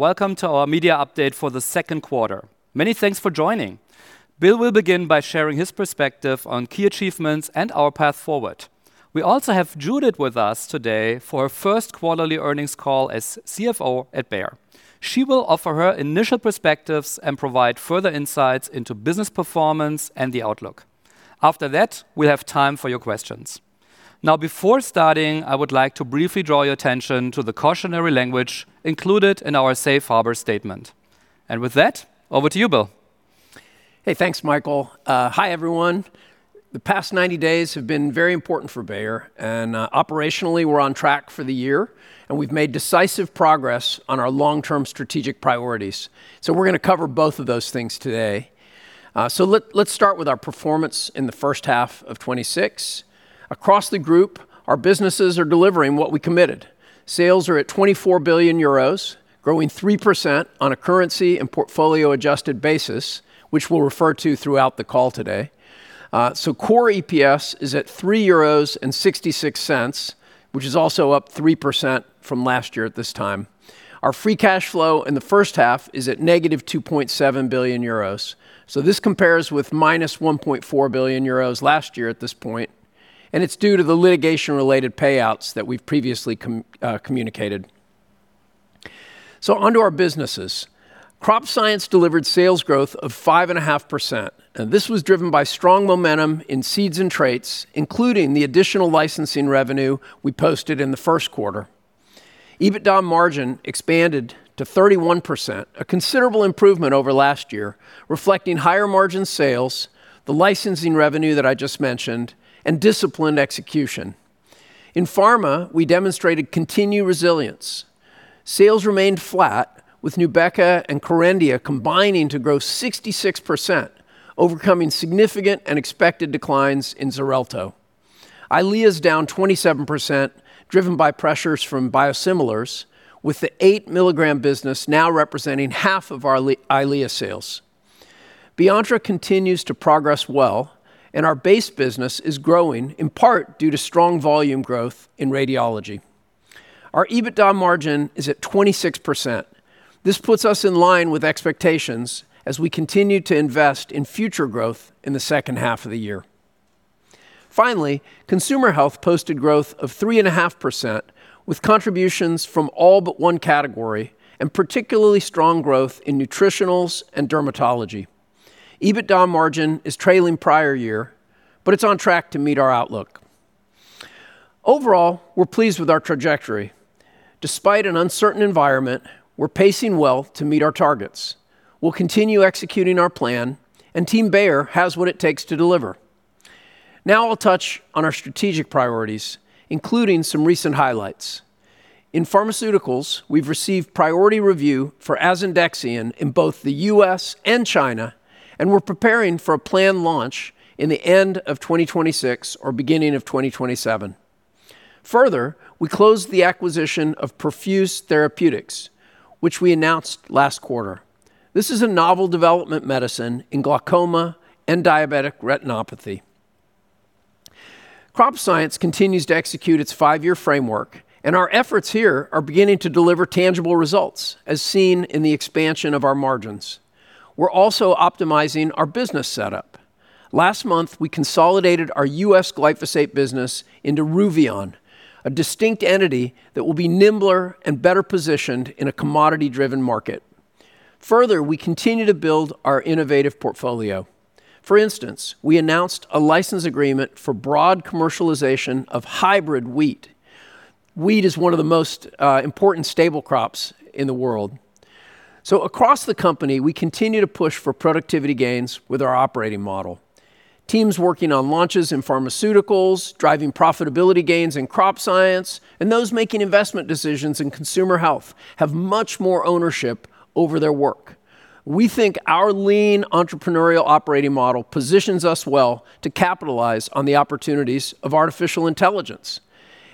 Welcome to our media update for the second quarter. Many thanks for joining. Bill will begin by sharing his perspective on key achievements and our path forward. We also have Judith with us today for our first quarterly earnings call as CFO at Bayer. She will offer her initial perspectives and provide further insights into business performance and the outlook. After that, we will have time for your questions. Now, before starting, I would like to briefly draw your attention to the cautionary language included in our Safe Harbor statement. With that, over to you, Bill. Hey, thanks, Michael. Hi, everyone. The past 90 days have been very important for Bayer; operationally, we're on track for the year, and we've made decisive progress on our long-term strategic priorities. We're going to cover both of those things today. Let's start with our performance in the first half of 2026. Across the group, our businesses are delivering what we committed. Sales are at 24 billion euros, growing 3% on a currency- and portfolio-adjusted basis, which we'll refer to throughout the call today. Core EPS is at 3.66 euros, which is also up 3% from last year at this time. Our free cash flow in the first half is at negative 2.7 billion euros. This compares with -1.4 billion euros last year at this point, and it's due to the litigation-related payouts that we've previously communicated. Onto our businesses. Crop Science delivered sales growth of 5.5%. This was driven by strong momentum in seeds and traits, including the additional licensing revenue we posted in the first quarter. EBITDA margin expanded to 31%, a considerable improvement over last year, reflecting higher margin sales, the licensing revenue that I just mentioned, and disciplined execution. In Pharma, we demonstrated continued resilience. Sales remained flat, with NUBEQA and KERENDIA combining to grow 66%, overcoming significant and expected declines in Xarelto. Eylea is down 27%, driven by pressures from biosimilars, with the 8mg business now representing half of our Eylea sales. BioRise continues to progress well; our base business is growing in part due to strong volume growth in radiology. Our EBITDA margin is at 26%. This puts us in line with expectations as we continue to invest in future growth in the second half of the year. Finally, Consumer Health posted growth of 3.5%, with contributions from all but one category, particularly strong growth in nutritionals and dermatology. EBITDA margin is trailing the prior year, but it's on track to meet our outlook. Overall, we're pleased with our trajectory. Despite an uncertain environment, we're pacing well to meet our targets. We'll continue executing our plan; Team Bayer has what it takes to deliver. Now I'll touch on our strategic priorities, including some recent highlights. In Pharmaceuticals, we've received a priority review for Asundexian in both the U.S. and China; we're preparing for a planned launch at the end of 2026 or the beginning of 2027. Further, we closed the acquisition of Perfuse Therapeutics, which we announced last quarter. This is a novel development in the medicine of glaucoma and diabetic retinopathy. Crop Science continues to execute its five-year framework. Our efforts here are beginning to deliver tangible results, as seen in the expansion of our margins. We're also optimizing our business setup. Last month, we consolidated our U.S. glyphosate business into Ruveon, a distinct entity that will be nimbler and better positioned in a commodity-driven market. We continue to build our innovative portfolio. For instance, we announced a license agreement for broad commercialization of hybrid wheat. Wheat is one of the most important staple crops in the world. Across the company, we continue to push for productivity gains with our operating model. Teams working on launches in pharmaceuticals, driving profitability gains in crop science, and those making investment decisions in consumer health have much more ownership over their work. We think our lean entrepreneurial operating model positions us well to capitalize on the opportunities of artificial intelligence.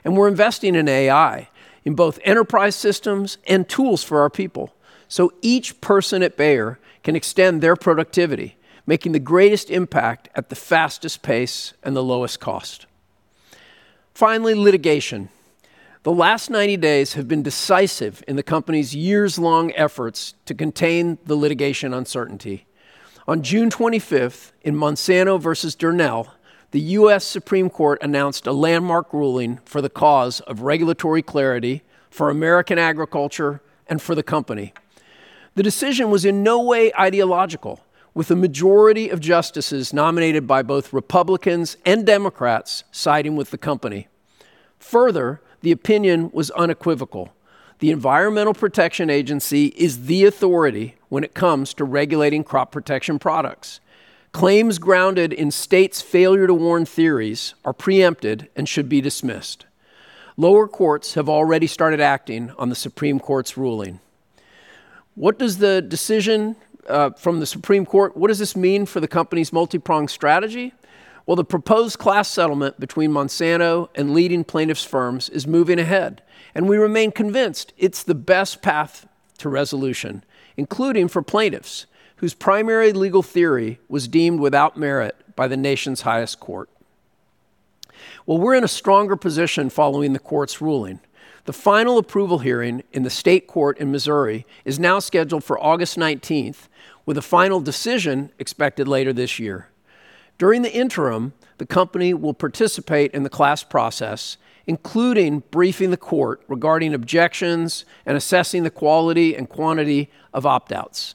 We're investing in AI in both enterprise systems and tools for our people so each person at Bayer can extend their productivity, making the greatest impact at the fastest pace and the lowest cost. Finally, litigation. The last 90 days have been decisive in the company's years-long efforts to contain the litigation uncertainty. On June 25th, in Monsanto versus Durnell, the U.S. Supreme Court announced a landmark ruling for the cause of regulatory clarity for American agriculture and for the company. The decision was in no way ideological, with the majority of justices nominated by both Republicans and Democrats siding with the company. Further, the opinion was unequivocal. The Environmental Protection Agency is the authority when it comes to regulating crop protection products. Claims grounded in states' failure to warn theories are preempted and should be dismissed. Lower courts have already started acting on the Supreme Court's ruling. What does the decision from the Supreme Court mean for the company's multi-pronged strategy? The proposed class settlement between Monsanto and leading plaintiffs firms is moving ahead. We remain convinced it's the best path to resolution, including for plaintiffs whose primary legal theory was deemed without merit by the nation's highest court. We're in a stronger position following the court's ruling. The final approval hearing in the state court in Missouri is now scheduled for August 19th, with a final decision expected later this year. During the interim, the company will participate in the class process, including briefing the court regarding objections and assessing the quality and quantity of opt-outs.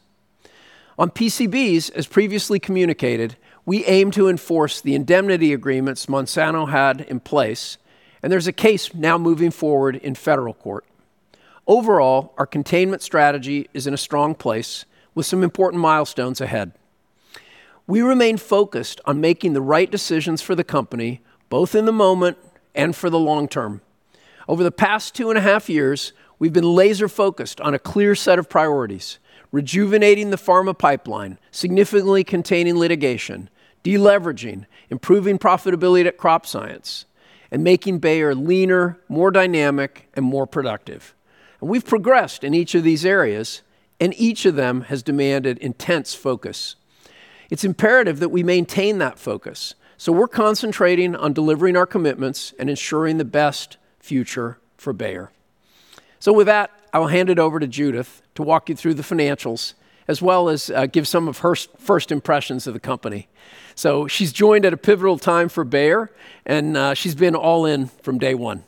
On PCBs, as previously communicated, we aim to enforce the indemnity agreements Monsanto had in place. There's a case now moving forward in federal court. Overall, our containment strategy is in a strong place with some important milestones ahead. We remain focused on making the right decisions for the company, both in the moment and for the long term. Over the past two and a half years, we've been laser-focused on a clear set of priorities, rejuvenating the pharma pipeline, significantly containing litigation, de-leveraging, improving profitability at Crop Science, and making Bayer leaner, more dynamic, and more productive. We've progressed in each of these areas. Each of them has demanded intense focus. It's imperative that we maintain that focus. We're concentrating on delivering our commitments and ensuring the best future for Bayer. With that, I will hand it over to Judith to walk you through the financials as well as give some of her first impressions of the company. She's joined at a pivotal time for Bayer, and she's been all in from day one.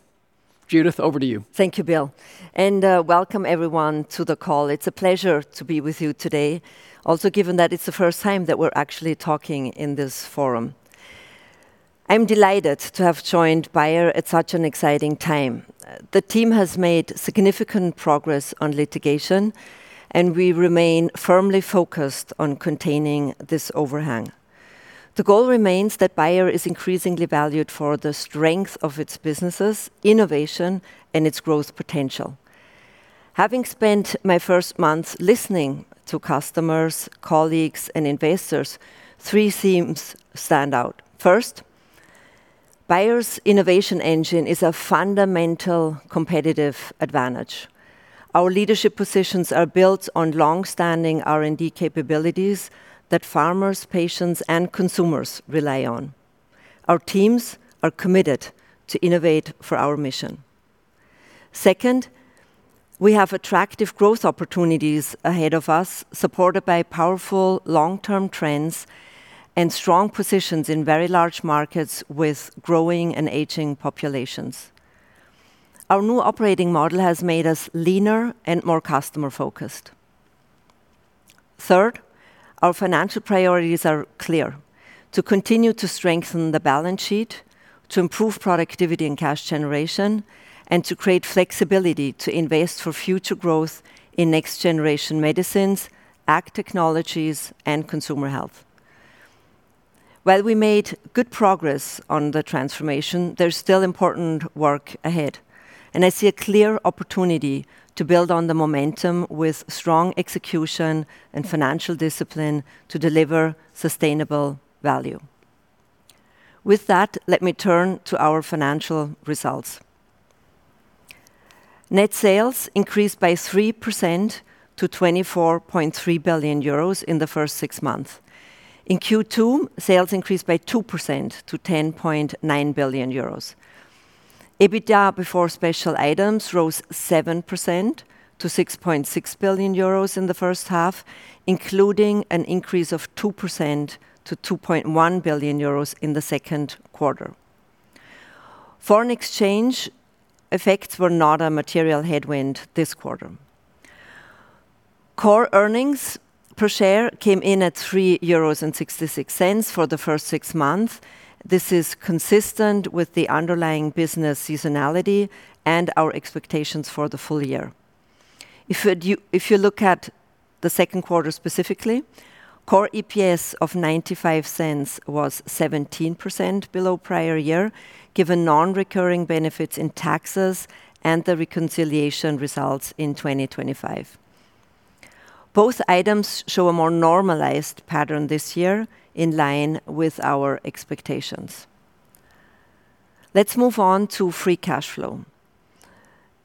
Judith, over to you. Thank you, Bill, welcome everyone to the call. It's a pleasure to be with you today, also given that it's the first time that we're actually talking in this forum. I'm delighted to have joined Bayer at such an exciting time. The team has made significant progress on litigation, and we remain firmly focused on containing this overhang. The goal remains that Bayer is increasingly valued for the strength of its businesses, innovation, and its growth potential. Having spent my first months listening to customers, colleagues, and investors, three themes stand out. First, Bayer's innovation engine is a fundamental competitive advantage. Our leadership positions are built on longstanding R&D capabilities that farmers, patients, and consumers rely on. Our teams are committed to innovate for our mission. Second, we have attractive growth opportunities ahead of us, supported by powerful long-term trends and strong positions in very large markets with growing and aging populations. Our new operating model has made us leaner and more customer-focused. Third, our financial priorities are clear: to continue to strengthen the balance sheet, to improve productivity and cash generation, and to create flexibility to invest for future growth in next-generation medicines, ag technologies, and consumer health. While we made good progress on the transformation, there's still important work ahead, and I see a clear opportunity to build on the momentum with strong execution and financial discipline to deliver sustainable value. With that, let me turn to our financial results. Net sales increased by 3% to 24.3 billion euros in the first six months. In Q2, sales increased by 2% to 10.9 billion euros. EBITDA before special items rose 7% to 6.6 billion euros in the first half, including an increase of 2% to 2.1 billion euros in the second quarter. Foreign exchange effects were not a material headwind this quarter. Core earnings per share came in at 3.66 euros for the first six months. This is consistent with the underlying business seasonality and our expectations for the full year. If you look at the second quarter specifically, core EPS of 0.95 was 17% below prior year, given non-recurring benefits in taxes and the reconciliation results in 2025. Both items show a more normalized pattern this year in line with our expectations. Let's move on to free cash flow.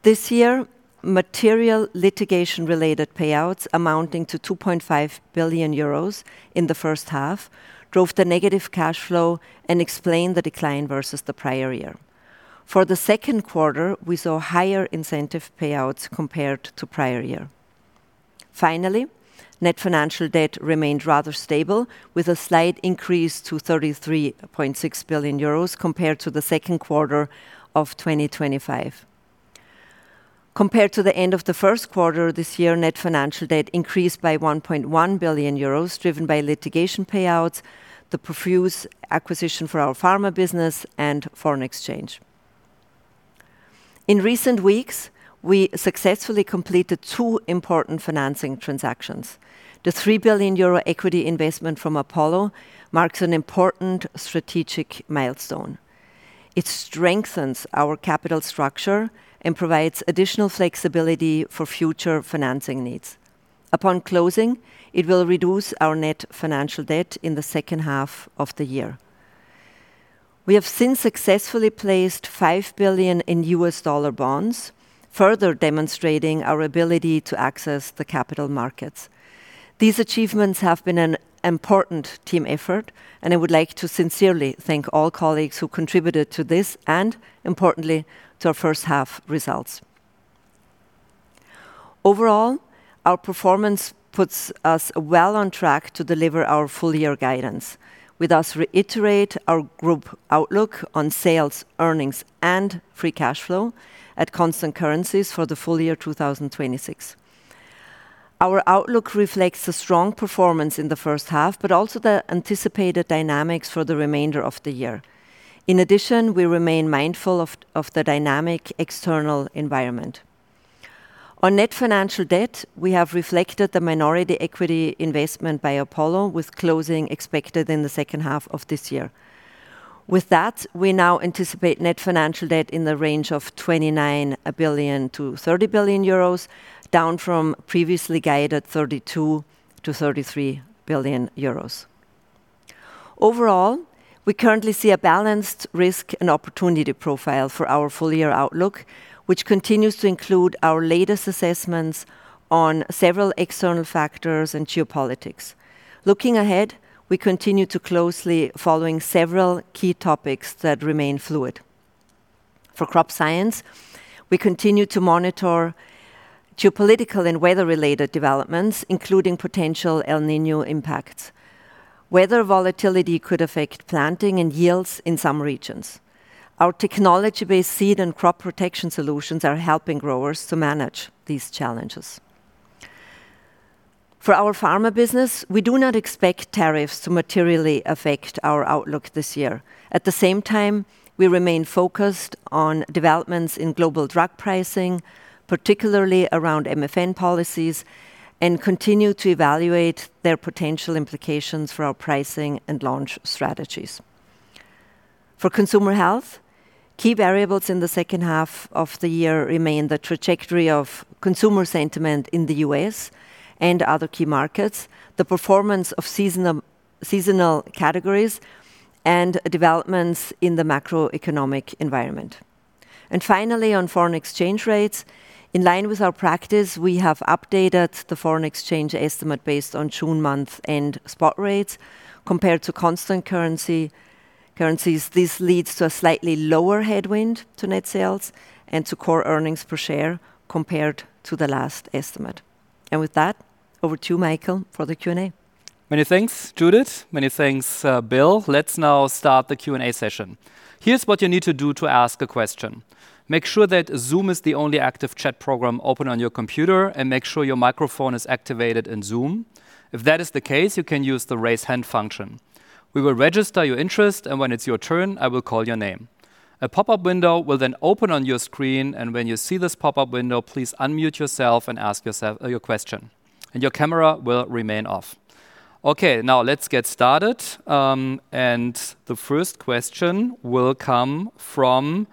This year, material litigation-related payouts amounting to 2.5 billion euros in the first half drove the negative cash flow and explain the decline versus the prior year. For the second quarter, we saw higher incentive payouts compared to prior year. Finally, net financial debt remained rather stable with a slight increase to 33.6 billion euros compared to the second quarter of 2025. Compared to the end of the first quarter this year, net financial debt increased by 1.1 billion euros, driven by litigation payouts, the Perfuse acquisition for our pharma business, and foreign exchange. In recent weeks, we successfully completed two important financing transactions. The 3 billion euro equity investment from Apollo marks an important strategic milestone. It strengthens our capital structure and provides additional flexibility for future financing needs. Upon closing, it will reduce our net financial debt in the second half of the year. We have since successfully placed $5 billion in U.S. dollar bonds, further demonstrating our ability to access the capital markets. These achievements have been an important team effort, and I would like to sincerely thank all colleagues who contributed to this, and importantly, to our first-half results. Overall, our performance puts us well on track to deliver our full-year guidance. We thus reiterate our group outlook on sales, earnings, and free cash flow at constant currencies for the full year 2026. Our outlook reflects a strong performance in the first half but also the anticipated dynamics for the remainder of the year. In addition, we remain mindful of the dynamic external environment. On net financial debt, we have reflected the minority equity investment by Apollo, with closing expected in the second half of this year. With that, we now anticipate net financial debt in the range of 29 billion-30 billion euros, down from the previously guided 32 billion-33 billion euros. Overall, we currently see a balanced risk and opportunity profile for our full-year outlook, which continues to include our latest assessments on several external factors and geopolitics. Looking ahead, we continue to closely follow several key topics that remain fluid. For Crop Science, we continue to monitor geopolitical and weather-related developments, including potential El Niño impacts. Weather volatility could affect planting and yields in some regions. Our technology-based seed and crop protection solutions are helping growers to manage these challenges. For our pharma business, we do not expect tariffs to materially affect our outlook this year. At the same time, we remain focused on developments in global drug pricing, particularly around MFN policies, and continue to evaluate their potential implications for our pricing and launch strategies. For Consumer Health, key variables in the second half of the year remain the trajectory of consumer sentiment in the U.S. and other key markets, the performance of seasonal categories, and developments in the macroeconomic environment. Finally, on foreign exchange rates, in line with our practice, we have updated the foreign exchange estimate based on June month-end spot rates. Compared to constant currencies, this leads to a slightly lower headwind to net sales and to core earnings per share compared to the last estimate. With that, over to you, Michael, for the Q&A. Many thanks, Judith. Many thanks, Bill. Let's now start the Q&A session. Here's what you need to do to ask a question. Make sure that Zoom is the only active chat program open on your computer, and make sure your microphone is activated in Zoom. If that is the case, you can use the raise-hand function. We will register your interest, and when it's your turn, I will call your name. A pop-up window will then open on your screen, and when you see this pop-up window, please unmute yourself and ask your question, and your camera will remain off. Okay, now let's get started. The first question will come from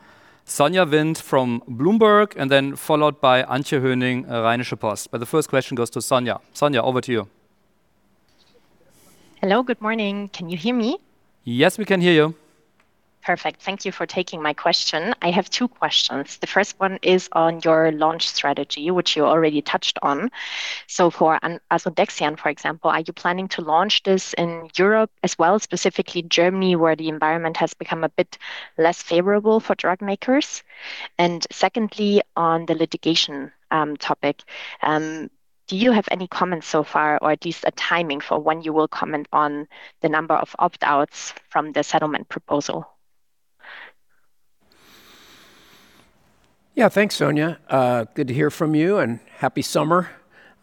Sonja Wind from Bloomberg, followed by Antje Höning, Rheinische Post. The first question goes to Sonja. Sonja, over to you. Hello. Good morning. Can you hear me? Yes, we can hear you. Perfect. Thank you for taking my question. I have two questions. The first one is on your launch strategy, which you already touched on. For Asundexian, for example, are you planning to launch this in Europe as well, specifically in Germany, where the environment has become a bit less favorable for drug makers? Secondly, on the litigation topic, do you have any comments so far, or at least a timing for when you will comment on the number of opt-outs from the settlement proposal? Thanks, Sonja. Good to hear from you, and happy summer.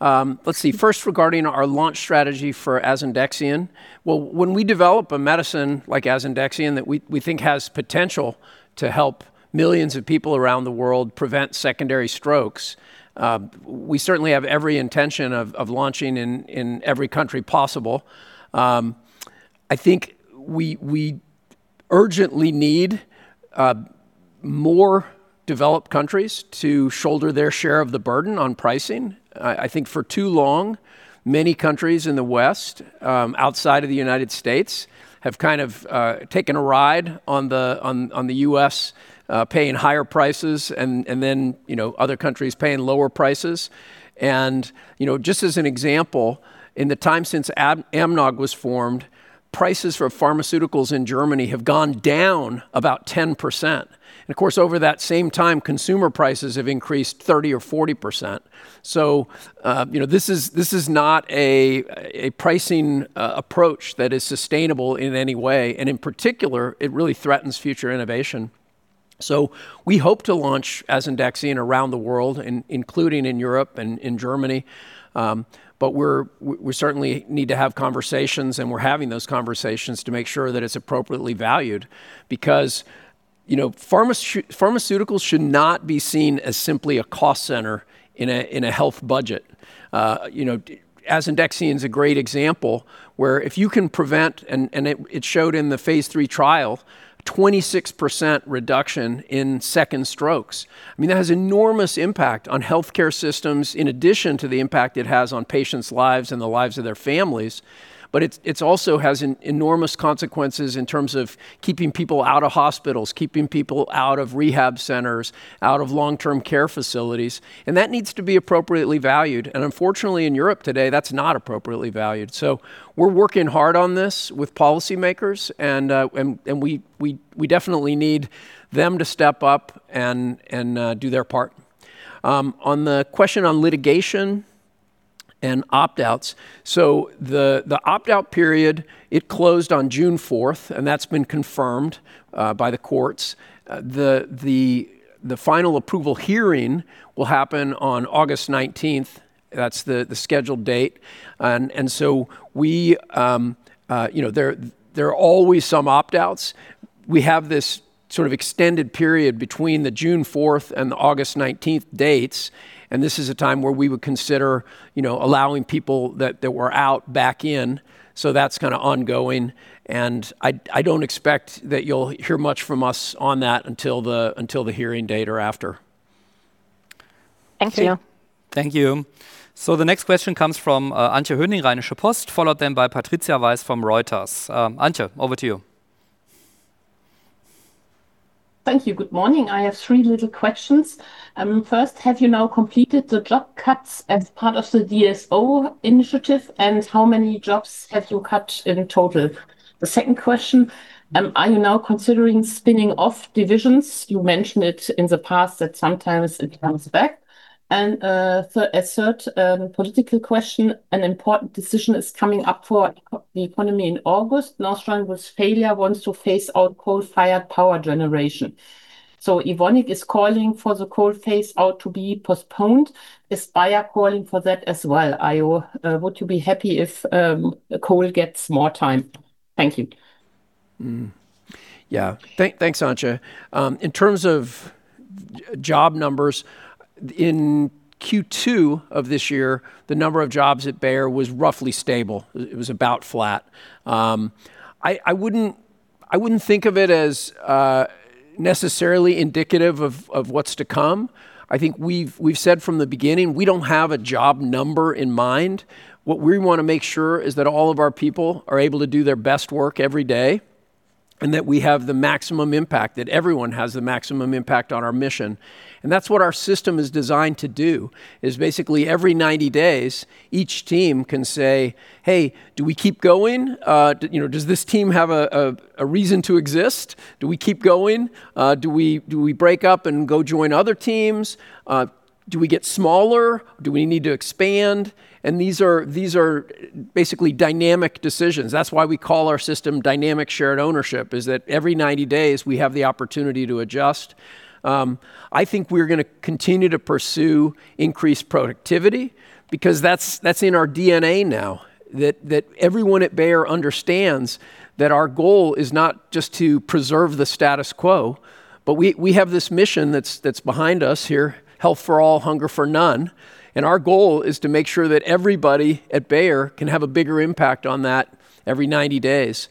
Let's see. First, regarding our launch strategy for Asundexian. When we develop a medicine like Asundexian that we think has the potential to help millions of people around the world prevent secondary strokes, we certainly have every intention of launching it in every country possible. I think we urgently need more developed countries to shoulder their share of the burden on pricing. I think for too long, many countries in the West, outside of the U.S., have kind of taken a ride on the U.S., paying higher prices, and then other countries paying lower prices. Just as an example, in the time since AMNOG was formed, prices for pharmaceuticals in Germany have gone down about 10%. Of course, over that same time, consumer prices have increased 30% or 40%. This is not a pricing approach that is sustainable in any way, and in particular, it really threatens future innovation. We hope to launch Asundexian around the world, including in Europe and in Germany. We certainly need to have conversations, and we're having those conversations to make sure that it's appropriately valued because Pharmaceuticals should not be seen as simply a cost center in a health budget. Asundexian is a great example where you can prevent it, and it showed in the phase III trial a 26% reduction in second strokes. That has an enormous impact on healthcare systems in addition to the impact it has on patients' lives and the lives of their families. It also has enormous consequences in terms of keeping people out of hospitals, keeping people out of rehab centers, and keeping people out of long-term care facilities, and that needs to be appropriately valued. Unfortunately, in Europe today, that's not appropriately valued. We're working hard on this with policymakers, and we definitely need them to step up and do their part. On the question of litigation and opt-outs, the opt-out period closed on June 4th, and that's been confirmed by the courts. The final approval hearing will happen on August 19th. That's the scheduled date. There are always some opt-outs. We have this sort of extended period between the June 4th and the August 19th dates, and this is a time where we would consider allowing people that were out back in. That's kind of ongoing, and I don't expect that you'll hear much from us on that until the hearing date or after. Thank you. Thank you. The next question comes from Antje Höning, Rheinische Post, followed by Patricia Weiss from Reuters. Antje, over to you. Thank you. Good morning. I have three little questions. First, have you now completed the job cuts as part of the DSO initiative, and how many jobs have you cut in total? The second question: are you now considering spinning off divisions? You mentioned it in the past that sometimes it comes back. A third political question, an important decision, is coming up for the economy in August. North Rhine-Westphalia wants to phase out coal-fired power generation. Evonik is calling for the coal phase-out to be postponed. Is Bayer calling for that as well? Would you be happy if coal got more time? Thank you. Yeah. Thanks, Antje. In terms of job numbers, in Q2 of this year, the number of jobs at Bayer was roughly stable. It was about flat. I wouldn't think of it as necessarily indicative of what's to come. I think we've said from the beginning, we don't have a job number in mind. What we want to make sure is that all of our people are able to do their best work every day and that we have the maximum impact, that everyone has the maximum impact on our mission. That's what our system is designed to do: Basically every 90 days, each team can say, Hey, do we keep going? Does this team have a reason to exist? Do we keep going? Do we break up and go join other teams? Do we get smaller? Do we need to expand? These are basically dynamic decisions. That's why we call our system Dynamic Shared Ownership: every 90 days, we have the opportunity to adjust. I think we're going to continue to pursue increased productivity because that's in our DNA now that everyone at Bayer understands that our goal is not just to preserve the status quo, but we have this mission that's behind us here, Health for All, Hunger for None, and our goal is to make sure that everybody at Bayer can have a bigger impact on that every 90 days.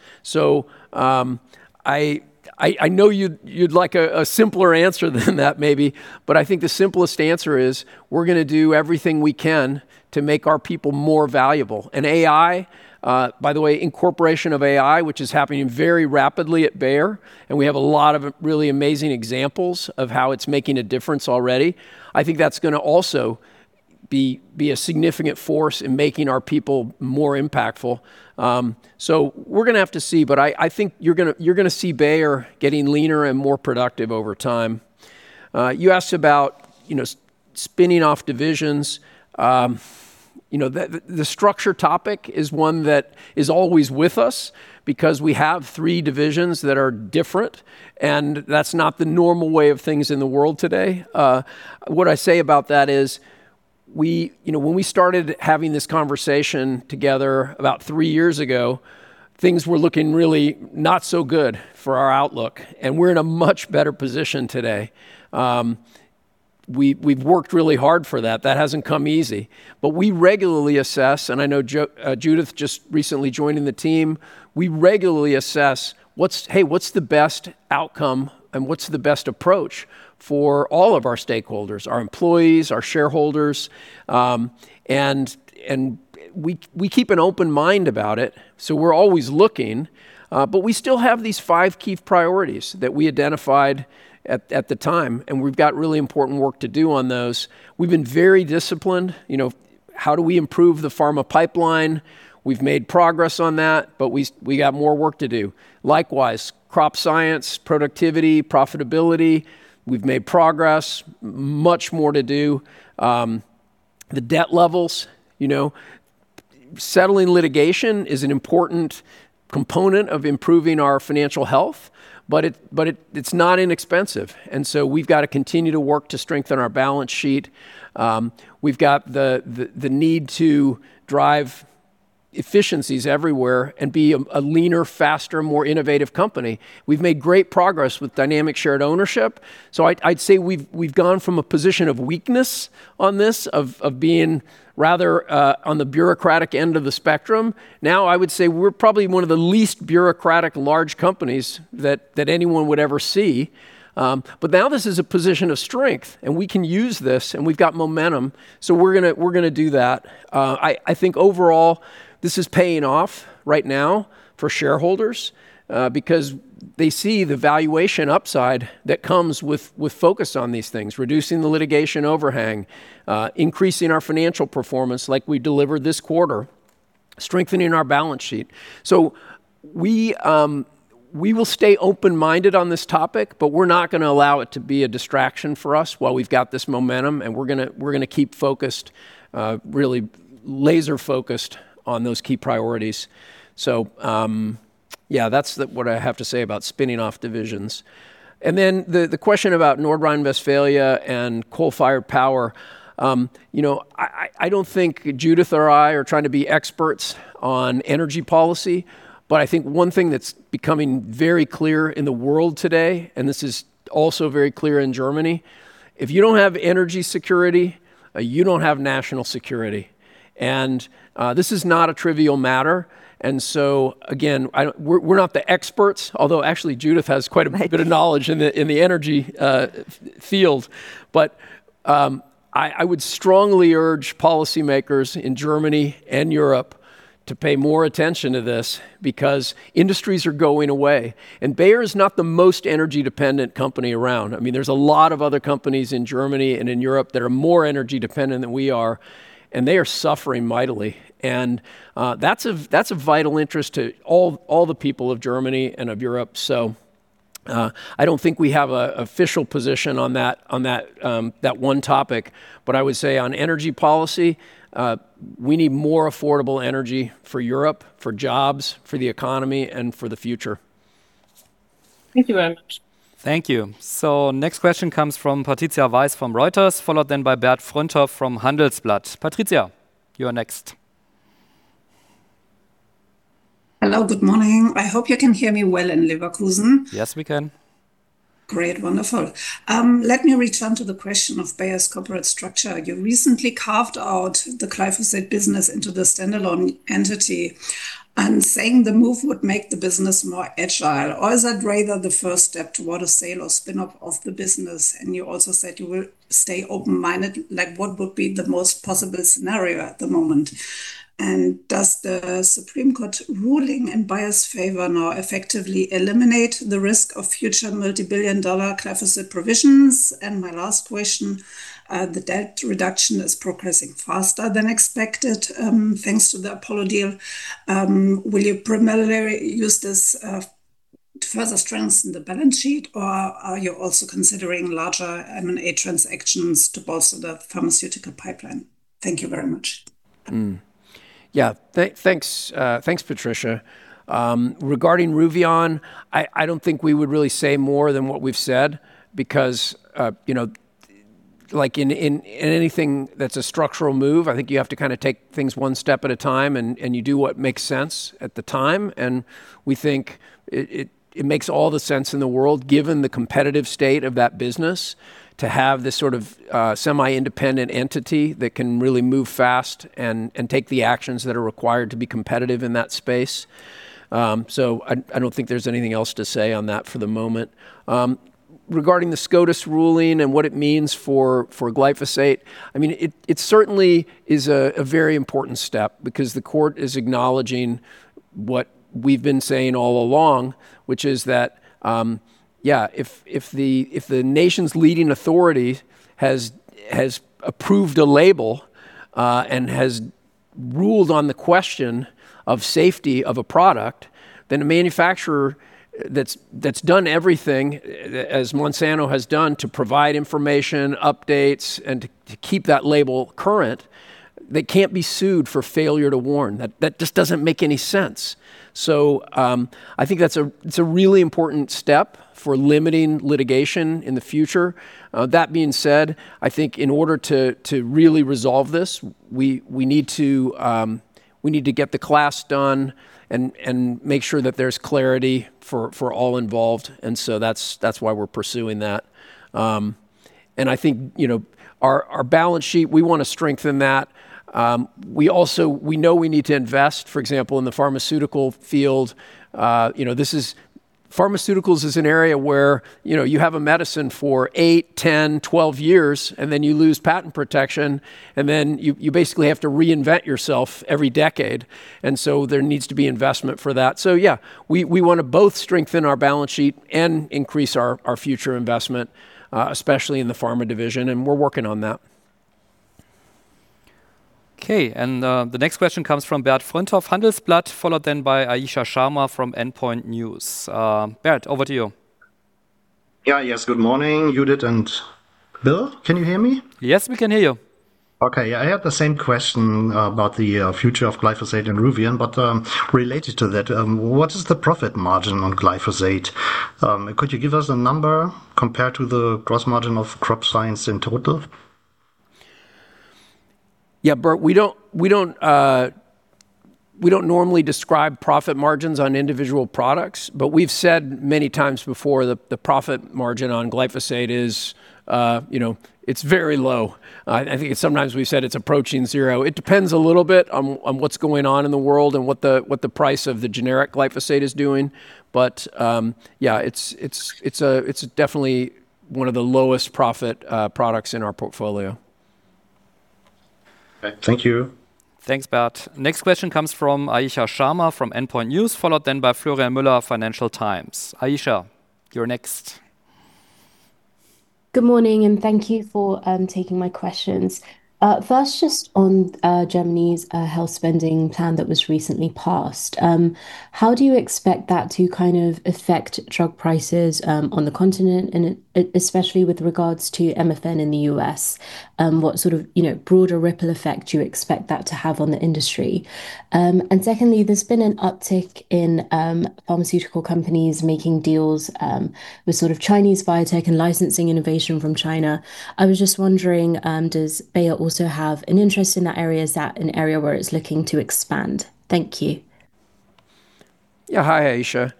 I know you'd like a simpler answer than that, maybe, but I think the simplest answer is we're going to do everything we can to make our people more valuable. AI, by the way, is the incorporation of AI, which is happening very rapidly at Bayer, and we have a lot of really amazing examples of how it's making a difference already. I think that's going to also be a significant force in making our people more impactful. We're going to have to see, but I think you're going to see Bayer getting leaner and more productive over time. You asked about spinning off divisions. The structure topic is one that is always with us because we have three divisions that are different, and that's not the normal way of things in the world today. What I say about that is when we started having this conversation together about three years ago, things were looking really not so good for our outlook, and we're in a much better position today. We've worked really hard for that. That hasn't come easy. We regularly assess, and I know Judith just recently joined the team, we regularly assess. Hey, what's the best outcome and what's the best approach for all of our stakeholders, our employees, and our shareholders? We keep an open mind about it, so we're always looking. We still have these five key priorities that we identified at the time, and we've got really important work to do on those. We've been very disciplined. How do we improve the pharma pipeline? We've made progress on that, but we've got more work to do. Likewise, in crop science, productivity, and profitability, we've made progress; much more to do. The debt levels and settling litigation are important components of improving our financial health, but it's not inexpensive; we've got to continue to work to strengthen our balance sheet. We've got the need to drive efficiencies everywhere and be a leaner, faster, more innovative company. We've made great progress with Dynamic Shared Ownership. I'd say we've gone from a position of weakness on this, of being rather on the bureaucratic end of the spectrum. Now, I would say we're probably one of the least bureaucratic large companies that anyone would ever see. Now this is a position of strength, and we can use this, and we've got momentum. We're going to do that. I think overall, this is paying off right now for shareholders, because they see the valuation upside that comes with focus on these things, reducing the litigation overhang, increasing our financial performance like we delivered this quarter, strengthening our balance sheet. We will stay open-minded on this topic; we're not going to allow it to be a distraction for us while we've got this momentum. We're going to keep focused, really laser-focused on those key priorities. That's what I have to say about spinning off divisions. The question about Nordrhein-Westfalen and coal-fired power. I don't think Judith or I are trying to be experts on energy policy. I think one thing that's becoming very clear in the world today, and this is also very clear in Germany, is that if you don't have energy security, you don't have national security. This is not a trivial matter. Again, we're not the experts, although actually Judith has quite a— Right ...bit of knowledge in the energy field. I would strongly urge policymakers in Germany and Europe to pay more attention to this because industries are going away, and Bayer is not the most energy-dependent company around. There are a lot of other companies in Germany and in Europe that are more energy dependent than we are; they are suffering mightily. That's a vital interest to all the people of Germany and of Europe. I don't think we have an official position on that one topic. I would say on energy policy, we need more affordable energy for Europe, for jobs, for the economy, and for the future. Thank you very much. Thank you. The next question comes from Patricia Weiss from Reuters, followed then by Bert Fröndhoff from Handelsblatt. Patricia, you are next. Hello, good morning. I hope you can hear me well in Leverkusen. Yes, we can. Great, wonderful. Let me return to the question of Bayer's corporate structure. You recently carved out the glyphosate business into the standalone entity and said the move would make the business more agile, or is that rather the first step toward a sale or spin-off of the business? You also said you will stay open-minded. Like, what would be the most possible scenario at the moment? Does the Supreme Court ruling in Bayer's favor now effectively eliminate the risk of future multibillion-dollar glyphosate provisions? My last question: the debt reduction is progressing faster than expected, thanks to the Apollo deal. Will you primarily use this to further strengthen the balance sheet, or are you also considering larger M&A transactions to bolster the pharmaceutical pipeline? Thank you very much. Yeah. Thanks, Patricia. Regarding Ruveon, I don't think we would really say more than what we've said because, like in anything that's a structural move, I think you have to take things one step at a time, and you do what makes sense at the time. We think it makes all the sense in the world, given the competitive state of that business, to have this sort of semi-independent entity that can really move fast and take the actions that are required to be competitive in that space. I don't think there's anything else to say on that for the moment. Regarding the SCOTUS ruling and what it means for glyphosate, it certainly is a very important step because the court is acknowledging what we've been saying all along, which is that, yeah, if the nation's leading authority has approved a label and has ruled on the question of safety of a product, then a manufacturer that's done everything, as Monsanto has done to provide information, updates, and to keep that label current, they can't be sued for failure to warn. That just doesn't make any sense. I think that's a really important step for limiting litigation in the future. That being said, I think in order to really resolve this, we need to get the class done and make sure that there's clarity for all involved. That's why we're pursuing that. I think our balance sheet—we want to strengthen that. We know we need to invest, for example, in the pharmaceutical field. Pharmaceuticals is an area where you have a medicine for eight, 10, 12 years, then you lose patent protection, and then you basically have to reinvent yourself every decade. There needs to be an investment for that. Yeah, we want to both strengthen our balance sheet and increase our future investment, especially in the pharma division; we're working on that. Okay, the next question comes from Bert Fröndhoff, Handelsblatt, followed by Ayisha Sharma from Endpoints News. Bert, over to you. Yeah. Yes, good morning, Judith and Bill. Can you hear me? Yes, we can hear you. Okay. I have the same question about the future of glyphosate and Ruveon. Related to that, what is the profit margin on glyphosate? Could you give us a number compared to the gross margin of crop science in total? Yeah, Bert, we don't normally describe profit margins on individual products. We've said many times before that the profit margin on glyphosate is very low. I think sometimes we've said it's approaching zero. It depends a little bit on what's going on in the world and what the price of the generic glyphosate is doing. Yeah, it's definitely one of the lowest-profit products in our portfolio. Okay. Thank you. Thanks, Bert. The next question comes from Ayisha Sharma from Endpoints News, followed then by Florian Müller from the Financial Times. Ayisha, you're next. Good morning and thank you for taking my questions. First, just on Germany's health spending plan that was recently passed. How do you expect that to affect drug prices on the continent and especially with regard to MFN in the U.S.? What sort of broader ripple effect do you expect that to have on the industry? Secondly, there's been an uptick in pharmaceutical companies making deals with sort of Chinese biotech and licensing innovation from China. I was just wondering, does Bayer also have an interest in that area? Is that an area where it's looking to expand? Thank you. Hi, Ayisha.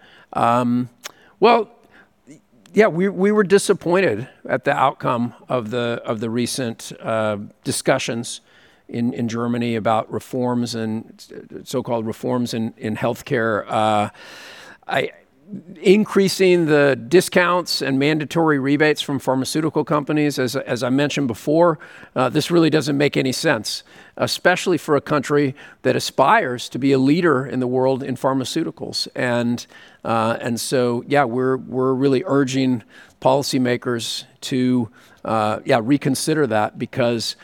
We were disappointed at the outcome of the recent discussions in Germany about so-called reforms in healthcare. Increasing the discounts and mandatory rebates from pharmaceutical companies, as I mentioned before, really doesn't make any sense, especially for a country that aspires to be a leader in the world in pharmaceuticals. We're really urging policymakers to reconsider that because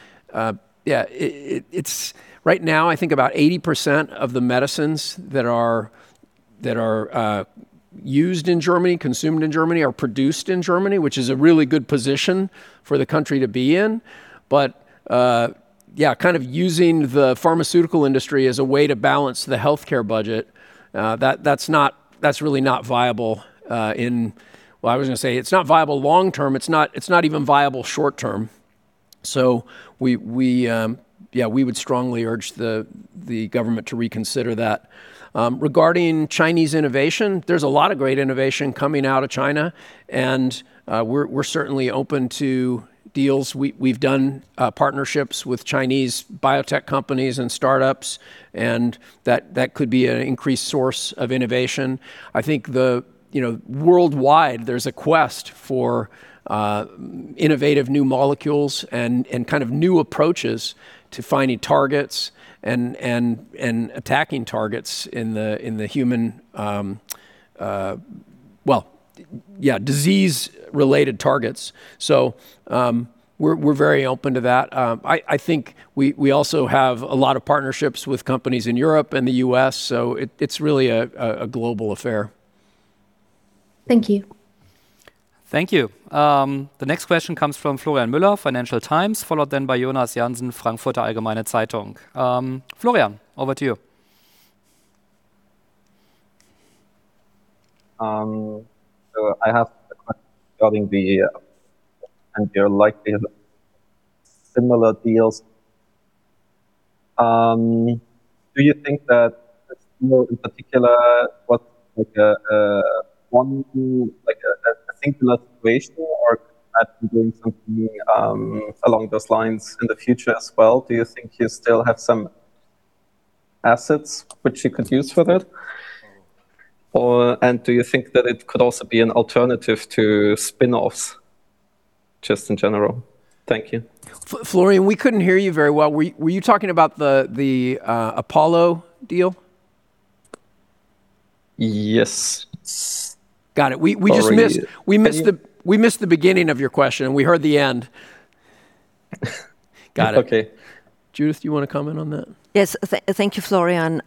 right now, I think about 80% of the medicines that are used in Germany, consumed in Germany, are produced in Germany, which is a really good position for the country to be in. Using the pharmaceutical industry as a way to balance the healthcare budget—that's really not viable; I was going to say it's not viable long-term. It's not even viable in the short term. We would strongly urge the government to reconsider that. Regarding Chinese innovation, there's a lot of great innovation coming out of China. We're certainly open to deals. We've done partnerships with Chinese biotech companies and startups. That could be an increased source of innovation. I think worldwide, there's a quest for innovative new molecules and kind of new approaches to finding targets and attacking targets in the human—disease-related targets. We're very open to that. I think we also have a lot of partnerships with companies in Europe and the U.S. It's really a global affair. Thank you. Thank you. The next question comes from Florian Müller, Financial Times, followed by Jonas Jansen, Frankfurter Allgemeine Zeitung. Florian, over to you. I have a question regarding the and your likely similar deals. Do you think that more in particular was a one-to-singular situation or could be doing something along those lines in the future as well? Do you think you still have some assets which you could use for that? Do you think that it could also be an alternative to spinoffs just in general? Thank you. Florian, we couldn't hear you very well. Were you talking about the Apollo deal? Yes. Got it. We just missed the beginning of your question, and we heard the end. Got it. Okay. Judith, do you want to comment on that? Yes. Thank you, Florian.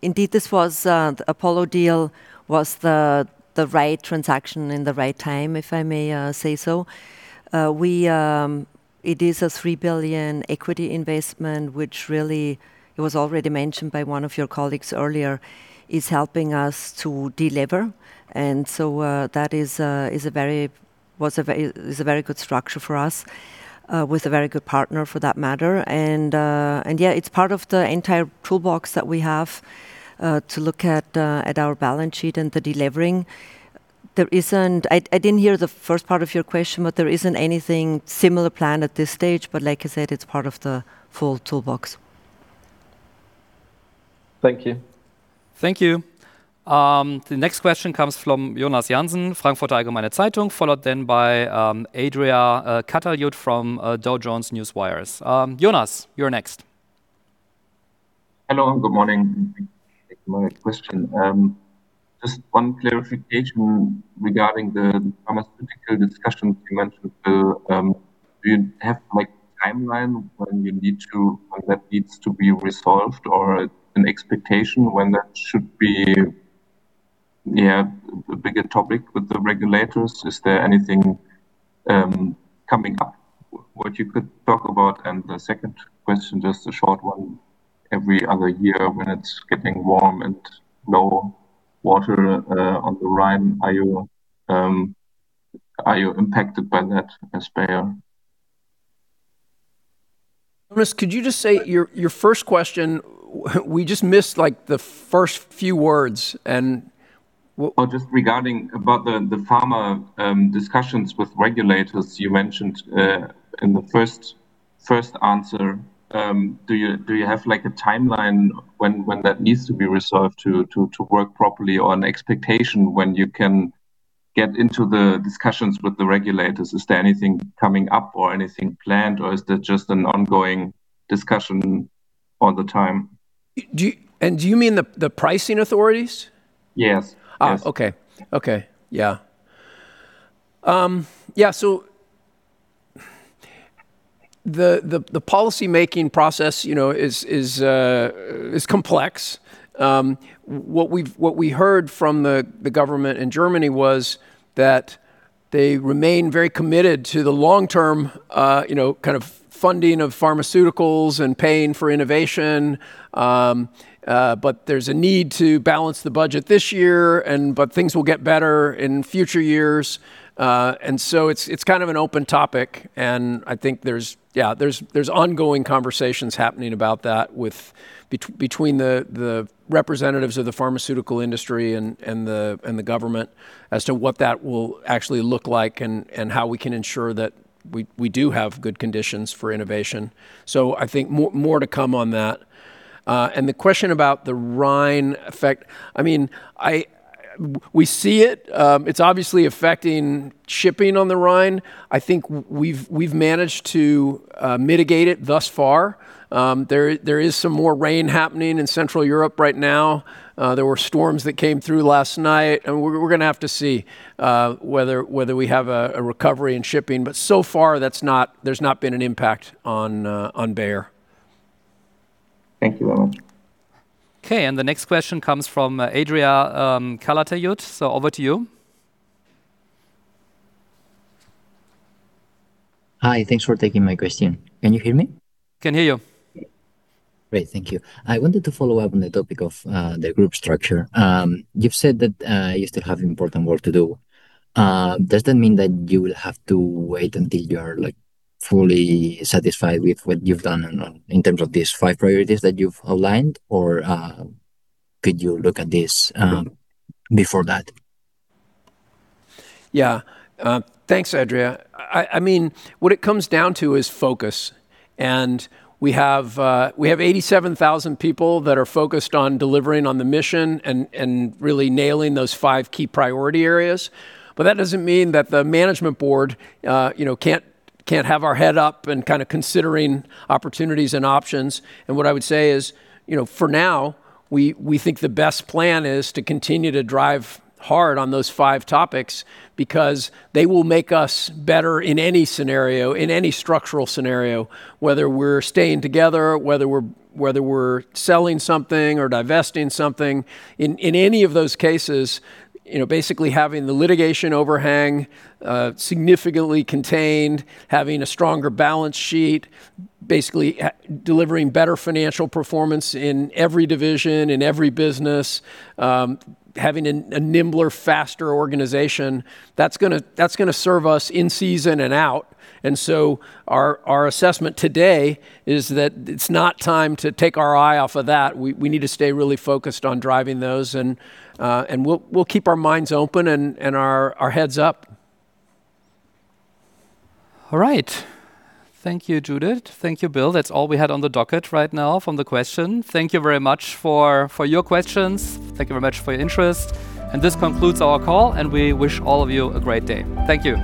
Indeed, this was the Apollo deal, the right transaction at the right time, if I may say so. It is a 3 billion equity investment, which, really, as was already mentioned by one of your colleagues earlier, is helping us to delever. That is a very good structure for us, with a very good partner for that matter. Yeah, it's part of the entire toolbox that we have to look at our balance sheet and the delevering. I didn't hear the first part of your question; there isn't anything similar planned at this stage. Like I said, it's part of the full toolbox. Thank you. Thank you. The next question comes from Jonas Jansen, Frankfurter Allgemeine Zeitung, followed then by Adrià Calatayud from Dow Jones Newswires. Jonas, you're next. Hello, good morning. My question, just one clarification regarding the pharmaceutical discussions you mentioned. Do you have a timeline when that needs to be resolved or an expectation when that should be a bigger topic with the regulators? Is there anything coming up what you could talk about? The second question, just a short one. Every other year when it's getting warm and low water on the Rhine. Are you impacted by that as Bayer? Jonas, could you just say your first question? We just missed the first few words. Just regarding the pharma discussions with regulators you mentioned in the first answer, do you have a timeline for when that needs to be resolved to work properly, or an expectation for when you can get into the discussions with the regulators? Is there anything coming up or anything planned, or is there just an ongoing discussion all the time? Do you mean the pricing authorities? Yes. Okay. Yeah. The policymaking process is complex. What we've heard from the government in Germany was that they remain very committed to the long-term funding of pharmaceuticals and paying for innovation. There's a need to balance the budget this year, but things will get better in future years. It's kind of an open topic, and I think there are ongoing conversations happening about that between the representatives of the pharmaceutical industry and the government as to what that will actually look like and how we can ensure that we do have good conditions for innovation. I think there's more to come on that. The question about the Rhine effect, we see it. It's obviously affecting shipping on the Rhine. I think we've managed to mitigate it thus far. There is some more rain happening in Central Europe right now. There were storms that came through last night, and we're going to have to see whether we have a recovery in shipping. So far there's not been an impact on Bayer. Thank you. Okay, the next question comes from Adrià Calatayud, so over to you. Hi, thanks for taking my question. Can you hear me? I can hear you. Great. Thank you. I wanted to follow up on the topic of the group structure. You've said that you still have important work to do. Does that mean that you will have to wait until you are fully satisfied with what you've done in terms of these five priorities that you've outlined, or could you look at this before that? Yeah. Thanks, Adrià. What it comes down to is focus, and we have 87,000 people that are focused on delivering on the mission and really nailing those five key priority areas. That doesn't mean that the management board can't have our head up and consider opportunities and options. What I would say is, for now, we think the best plan is to continue to drive hard on those five topics because they will make us better in any scenario, in any structural scenario. Whether we're staying together or whether we're selling something or divesting something. In any of those cases, basically having the litigation overhang significantly contained, having a stronger balance sheet, basically delivering better financial performance in every division, in every business, and having a nimbler, faster organization that's going to serve us in season and out. Our assessment today is that it's not time to take our eye off of that. We need to stay really focused on driving those, and we'll keep our minds open and our heads up. All right. Thank you, Judith. Thank you, Bill. That's all we had on the docket right now from the questions. Thank you very much for your questions. Thank you very much for your interest; this concludes our call, and we wish all of you a great day. Thank you.